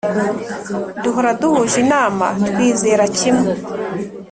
duhora duhuj’ inama, twizera kimwe